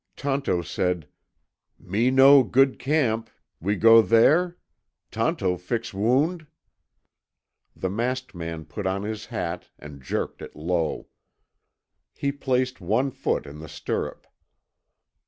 Tonto said, "Me know good camp. We go there? Tonto fix wound?" The masked man put on his hat and jerked it low. He placed one foot in the stirrup.